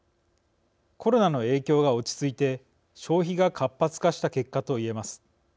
コロナの影響が落ち着いて消費が活発化した結果と言えます。